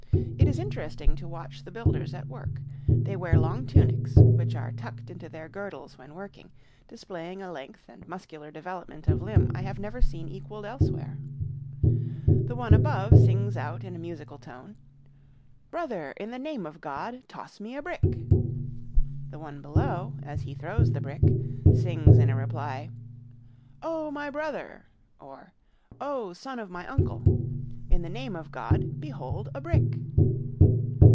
It is interesting to watch the builders at work. They wear long tunics, which are tucked into their girdles when working, displaying a length and muscular development of limb I have never seen equaled elsewhere. The one above sings out in musical tone, "Brother, in the name of God, toss me a brick!" The one below, as he throws the brick, sings in reply, "Oh, my brother! (or, ' Oh, son of my uncle!') in the name of God, behold a brick!"